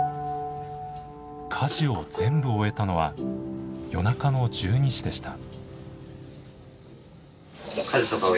家事を全部終えたのは夜中の１２時でした。